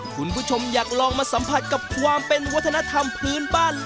คุณผู้ชมอยากลองมาสัมผัสกับความเป็นวัฒนธรรมพื้นบ้าน